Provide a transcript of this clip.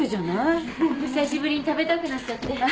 久しぶりに食べたくなっちゃって。